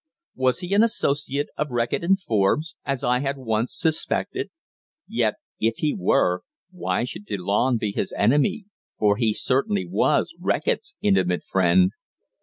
Was he an associate of Reckitt and Forbes, as I had once suspected? Yet if he were, why should Delanne be his enemy, for he certainly was Reckitt's intimate friend.